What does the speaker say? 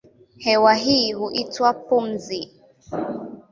Hewa hii huitwa pumzi.